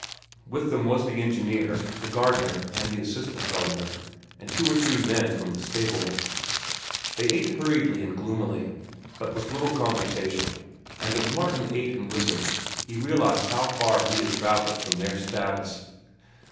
With them was the engineer, the gardener, and the assistant gardener, and two or three men from the stable. They ate hurriedly and gloomily, with but little conversation, and as Martin ate and listened he realized how far he had travelled from their status.